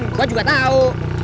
gue juga tau